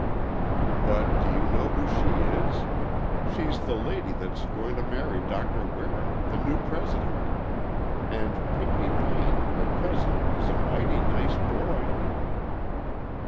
"But do you know who she is? She's the lady that's going to marry Doctor Waring, the new President. And Pinckney Payne, her cousin, is a mighty nice boy."